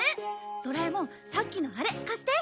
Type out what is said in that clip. ドラえもんさっきのあれ貸して。